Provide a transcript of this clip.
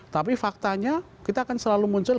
tapi faktanya kita akan selalu muncul